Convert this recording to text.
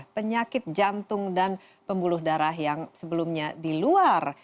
penyakit jantung dan pembuluh darah yang sebelumnya di luar